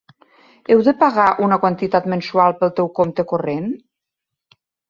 Heu de pagar una quantitat mensual pel teu compte corrent?